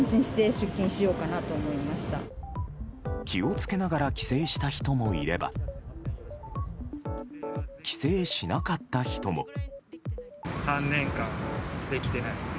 気を付けながら帰省した人もいれば帰省しなかった人も。